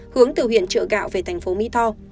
hướng từ huyện trợ gạo về thành phố mỹ tho